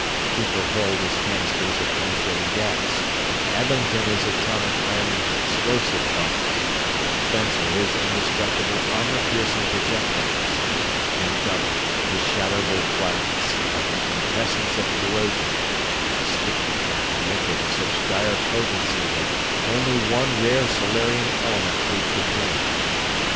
Cooper hurled his canisters of penetrating gas, Adlington his atomic iron explosive bombs, Spencer his indestructible armor piercing projectiles, and Dutton his shatterable flasks of the quintessence of corrosion a sticky, tacky liquid of such dire potency that only one rare Solarian element could contain it.